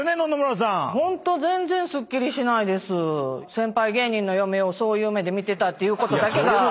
先輩芸人の嫁をそういう目で見てたことだけが。